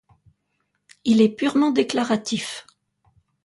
Il est purement déclaratif.